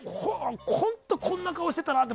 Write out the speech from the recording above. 本当にこんな顔しているなって。